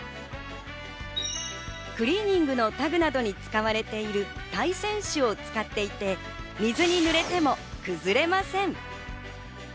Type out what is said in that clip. クリーニングのタグなどに使われている耐洗紙を使っていて、水に濡れても崩れません。